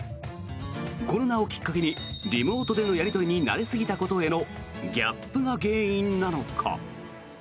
コロナをきっかけにリモートでのやり取りに慣れすぎたことへのギャップが原因なのか。